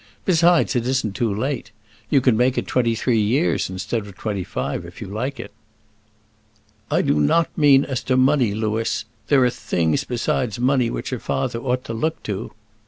Besides, it isn't too late; you can make it twenty three years instead of twenty five, if you like it." "I do not mean as to money, Louis. There are things besides money which a father ought to look to."